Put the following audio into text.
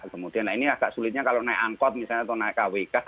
kemudian ini agak sulitnya kalau naik angkot misalnya atau naik kwk